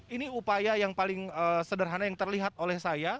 ini upaya yang paling sederhana yang terlihat oleh saya